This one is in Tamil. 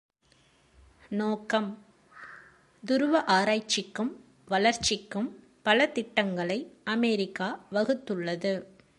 நோக்கம் துருவ ஆராய்ச்சிக்கும் வளர்ச்சிக்கும் பல திட்டங்களை அமெரிக்கா வகுத்துள்ளது.